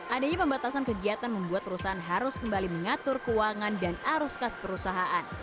adanya pembatasan kegiatan membuat perusahaan harus kembali mengatur keuangan dan aruskat perusahaan